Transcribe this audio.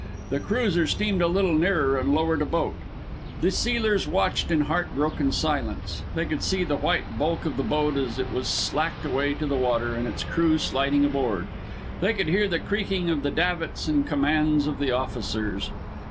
The cruiser steamed a little nearer and lowered a boat. The sealers watched in heartbroken silence. They could see the white bulk of the boat as it was slacked away to the water, and its crew sliding aboard. They could hear the creaking of the davits and the commands of the officers.